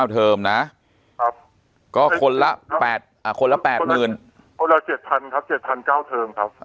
๙๐๐๐๙เทอมนะครับก็คนละ๘คนละ๘หมื่นคนละ๗๐๐๐ครับ๗๐๐๐๙เทอมครับ